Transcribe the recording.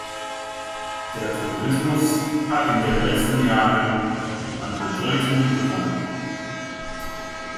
Der Tourismus hat in den letzten Jahren an Bedeutung gewonnen.